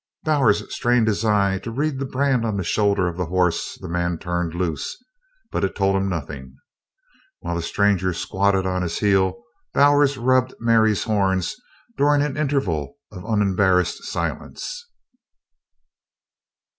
Bowers strained his eyes to read the brand on the shoulder of the horse the man turned loose, but it told him nothing. While the stranger squatted on his heel, Bowers rubbed Mary's horns during an interval of unembarrassed silence.